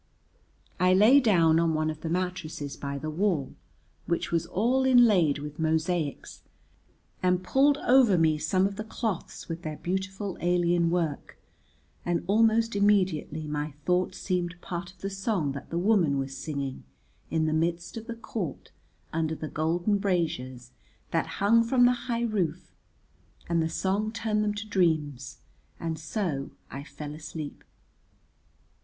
I lay down on one of the mattresses by the wall, which was all inlaid with mosaics, and pulled over me some of the cloths with their beautiful alien work, and almost immediately my thoughts seemed part of the song that the woman was singing in the midst of the court under the golden braziers that hung from the high roof, and the song turned them to dreams, and so I fell asleep.